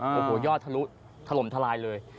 โอ้โหยอดทะลุถล่มทลายเลย